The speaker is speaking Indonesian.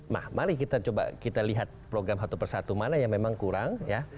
nah mari kita coba kita lihat program satu persatu mana yang memang kurang ya